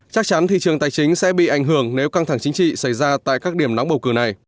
chắc chắn thị trường tài chính sẽ bị ảnh hưởng nếu căng thẳng chính trị xảy ra tại các điểm nóng bầu cử này